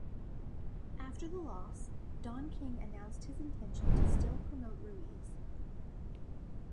After the loss Don King announced his intention to still promote Ruiz.